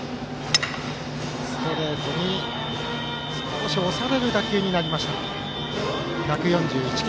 ストレートに押される打球になりました。